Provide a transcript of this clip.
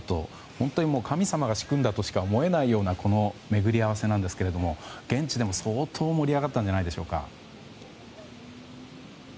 本当に、神様が仕組んだとしか思えないようなこの巡り合わせなんですが現地でも相当盛り上がりを見せたんじゃないでしょうか。